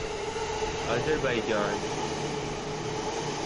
Azerbaijan